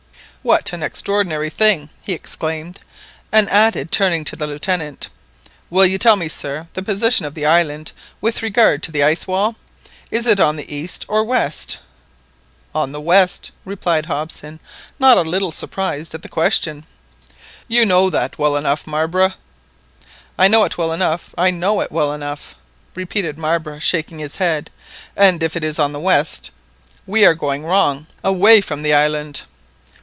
"What an extraordinary thing!" he exclaimed, and added, turning to the Lieutenant— "Will you tell me, sir, the position of the island with regard to the ice wall, is it on the east or west?" "On the west," replied Hobson, not a little surprised at the question, "you know that well enough, Marbre" "I know it well enough! I know it well enough!" repeated Marbre, shaking his head, "and if it is on the west, we are going wrong, and away from the inland!"